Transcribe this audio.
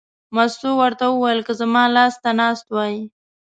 مستو ورته وویل: که زما لاس ته ناست وای.